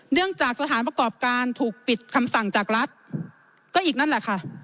จากสถานประกอบการถูกปิดคำสั่งจากรัฐก็อีกนั่นแหละค่ะ